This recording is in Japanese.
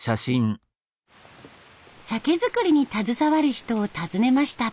酒造りに携わる人を訪ねました。